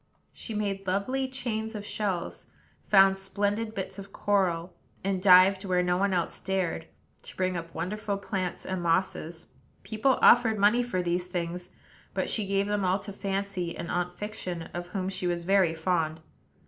She made lovely chains of shells; found splendid bits of coral; and dived where no one else dared, to bring up wonderful plants and mosses. People offered money for these things; but she gave them all to Fancy and Aunt Fiction, of whom she was very fond.